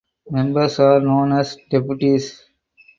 Members are known as deputies.